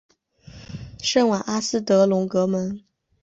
圣瓦阿斯德隆格蒙。